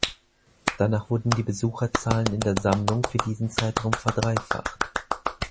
Dadurch wurden die Besucherzahlen in der Sammlung für diesen Zeitraum verdreifacht.